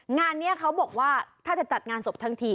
งานนี้เขาบอกว่าถ้าจะจัดงานศพทั้งที